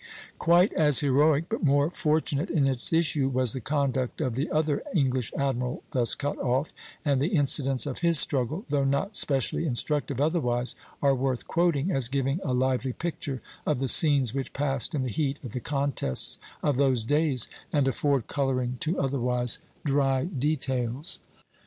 Quite as heroic, but more fortunate in its issue, was the conduct of the other English admiral thus cut off; and the incidents of his struggle, though not specially instructive otherwise, are worth quoting, as giving a lively picture of the scenes which passed in the heat of the contests of those days, and afford coloring to otherwise dry details.